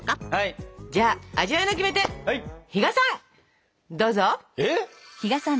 じゃあ味わいのキメテ比嘉さんどうぞ！えっ？